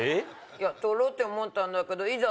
いやとろうって思ったんだけどいざ